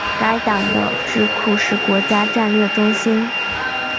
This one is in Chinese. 该党的智库是国家战略中心。